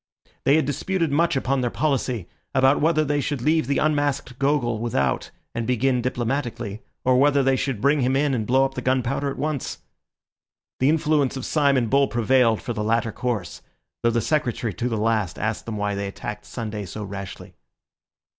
They had disputed much upon their policy, about whether they should leave the unmasked Gogol without and begin diplomatically, or whether they should bring him in and blow up the gunpowder at once. The influence of Syme and Bull prevailed for the latter course, though the Secretary to the last asked them why they attacked Sunday so rashly.